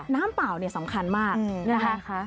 น้ำเปล่าสำคัญมากนะครับ